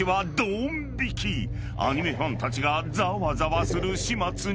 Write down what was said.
［アニメファンたちがざわざわする始末に］